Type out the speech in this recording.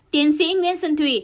tiến sĩ nguyễn xuân thủy